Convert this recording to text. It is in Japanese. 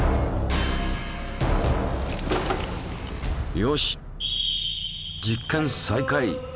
よし実験再開。